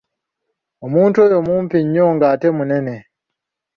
Omuntu oyo mumpi nnyo ng'ate munene